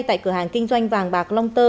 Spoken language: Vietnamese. tại cửa hàng kinh doanh vàng bạc long tơ